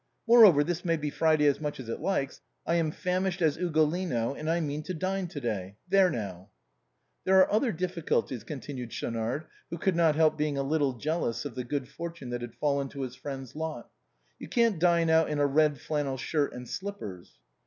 Moreover, this may be Friday as much as it likes ; I am as famished as Ugolino, and I mean to dine to day. There now !"" There are other difficulties," continued Schaunard, who »X)uld not help being a little jealous of the good fortune that had fallen to his friend's lot. " You can't dine out in a red flannel shirt and slippers."